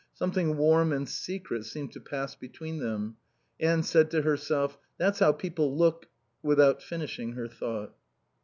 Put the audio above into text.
Something warm and secret seemed to pass between them. Anne said to herself: "That's how people look " without finishing her thought.